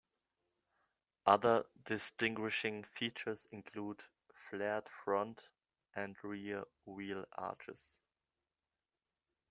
Other distinguishing features include flared front and rear wheel arches.